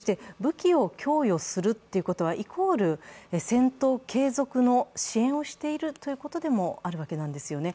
そして、武器を供与するということは、イコール戦闘継続の支援をしているということでもあるわけなんですよね。